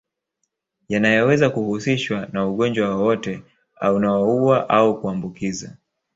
Yanaoweza kuhusishwa na ugonjwa wowote aunaoua au kuambukiza